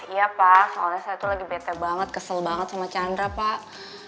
iya pak soalnya saya tuh lagi bete banget kesel banget sama chandra pak